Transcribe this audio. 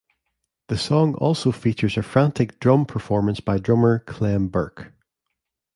The song also features a frantic drum performance by drummer Clem Burke.